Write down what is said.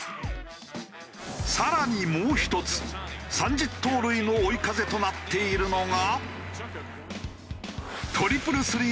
更にもう１つ３０盗塁の追い風となっているのが。